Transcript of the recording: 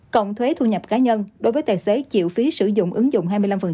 cộng thuế thu nhập cá nhân đối với tài xế chịu phí sử dụng ứng dụng hai mươi năm